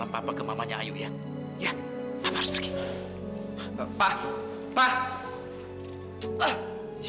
papa kenapa sih